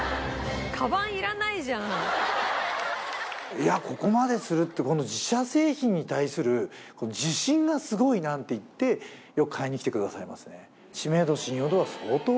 「いやここまでするって自社製品に対する自信がすごい」なんて言ってよく買いに来てくださいますね。